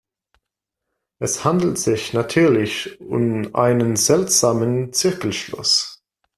Es handelt sich natürlich um einen seltsamen Zirkelschluss.